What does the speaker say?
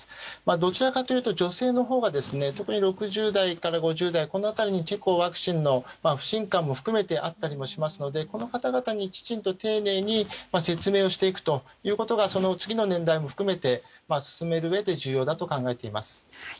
どちらかというと女性特に６０代から５０代にこの辺りにはワクチンの不信感も含めてあったりもしますのでこの方々にきちんと丁寧に説明をしていくことがその次の年代を含めて進めるうえで重要だと考えています。